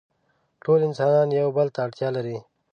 ټول انسانان يو بل ته اړتيا لري.